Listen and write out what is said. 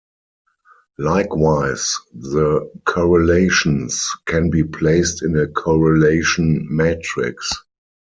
Likewise, the correlations can be placed in a correlation matrix.